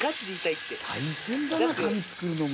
大変だな髪作るのも。